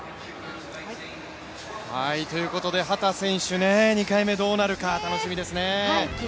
秦選手、２回目どうなるか楽しみですね。